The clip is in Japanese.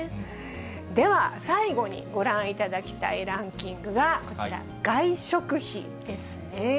では、最後にご覧いただきたいランキングがこちら、外食費ですね。